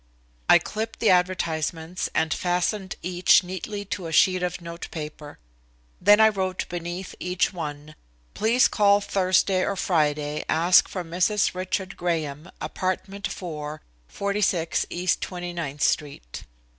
I clipped the advertisements and fastened each neatly to a sheet of notepaper. Then I wrote beneath each one: "Please call Thursday or Friday. Ask for Mrs. Richard Graham, Apartment 4, 46 East Twenty ninth street."